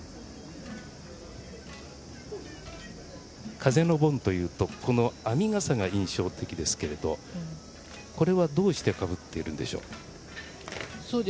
風の盆というと編みがさが印象的ですけどこれは、どうしてかぶっているんでしょう？